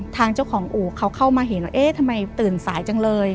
ทางเจ้าของอู่เขาเข้ามาเห็นว่าเอ๊ะทำไมตื่นสายจังเลย